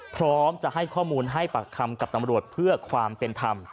พร้อมจะให้ข้อมูลให้ปากคำกับตำรวจเพื่อความเป็นธรรม